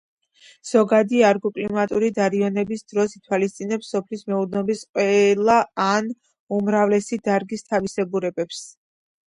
ზოგადი აგროკლიმატური დარაიონების დროს ითვალისწინებენ სოფლის მეურნეობის ყველა ან უმრავლესი დარგის თავისებურებებს.